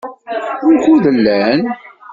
Wukud llan?